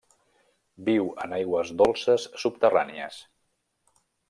Viu en aigües dolces subterrànies.